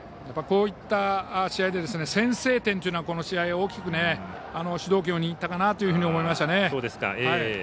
こういった試合で先制点というのはこの試合大きく主導権を握ったかなと思います。